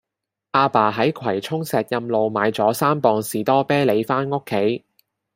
亞爸喺葵涌石蔭路買左三磅士多啤梨返屋企